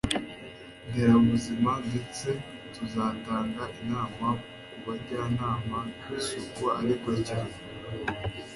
nderabuzima, ndetse tuzatanga inama ku bajyanama b'isuku ariko cyane